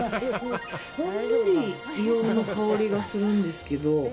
ほんのり硫黄の香りがするんですけど。